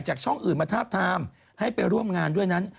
จากช่องแถมมาทับทามให้ไปร่วมงานด้วยนั้น